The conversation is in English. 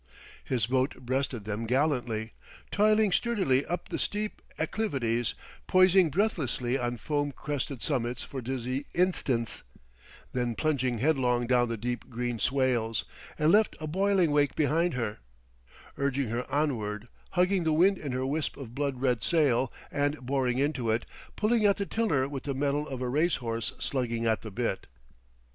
His boat breasted them gallantly, toiling sturdily up the steep acclivities, poising breathlessly on foam crested summits for dizzy instants, then plunging headlong down the deep green swales; and left a boiling wake behind her, urging ever onward, hugging the wind in her wisp of blood red sail, and boring into it, pulling at the tiller with the mettle of a race horse slugging at the bit.